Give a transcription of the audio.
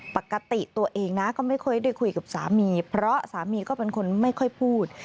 ปกติตัวเองนะก็ไม่ค่อยได้คุยกับสามีเพราะสามีก็เป็นคนไม่ค่อยพูด